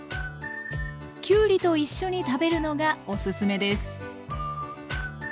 きゅうりと一緒に食べるのがおすすめです。